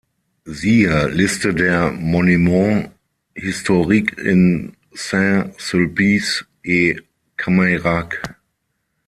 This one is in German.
Siehe: Liste der Monuments historiques in Saint-Sulpice-et-Cameyrac